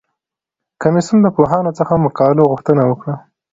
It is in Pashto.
کمیسیون د پوهانو څخه د مقالو غوښتنه وکړه.